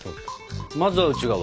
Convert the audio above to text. まずは内側。